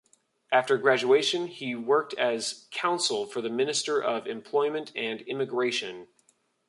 After graduation, he worked as counsel for the Minister of Employment and Immigration.